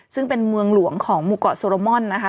ซึ่งเป็นเมืองหลวงของหมู่เกาะโซโรมอนนะคะ